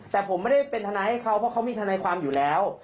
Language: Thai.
แต่ผมไม่ได้เป็นทนายให้เขาเพราะเขามีทนายความอยู่แล้ว